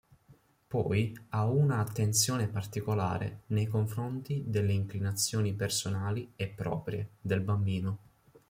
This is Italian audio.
Poi ha una attenzione particolare nei confronti delle inclinazioni personali e proprie del bambino.